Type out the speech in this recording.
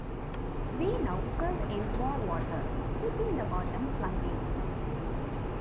We now fill in more water, keeping the bottom plug in.